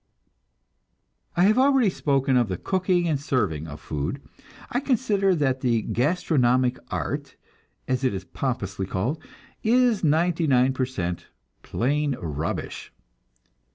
I have already spoken of the cooking and serving of food. I consider that the "gastronomic art," as it is pompously called, is ninety nine per cent plain rubbish.